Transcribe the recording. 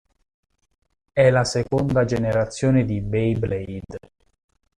È la seconda generazione di "Beyblade".